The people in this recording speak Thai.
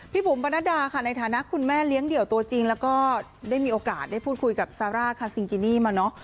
บุ๋มปนัดดาค่ะในฐานะคุณแม่เลี้ยงเดี่ยวตัวจริงแล้วก็ได้มีโอกาสได้พูดคุยกับซาร่าคาซิงกินี่มาเนอะ